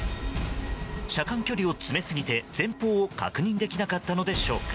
車間距離を詰めすぎて、前方を確認できなかったのでしょうか。